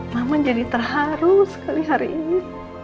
mama jadi terharu sekali hari ini